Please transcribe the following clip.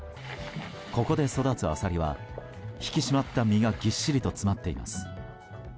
ここで育つアサリは引き締まった身がぎっしりと詰まっています。